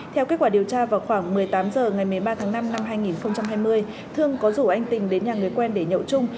theo kết quả điều tra vào khoảng một mươi tám h ngày một mươi ba tháng năm năm hai nghìn hai mươi thương có rủ anh tình đến nhà người quen để nhậu chung